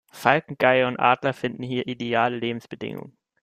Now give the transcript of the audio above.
Falken, Geier und Adler finden hier ideale Lebensbedingungen.